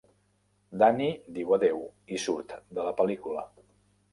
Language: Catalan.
Danny diu adéu i surt de la pel·lícula.